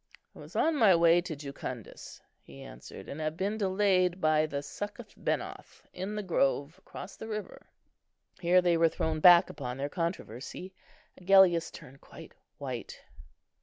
"I was on my way to Jucundus," he answered, "and have been delayed by the Succoth benoth in the grove across the river." Here they were thrown back upon their controversy. Agellius turned quite white.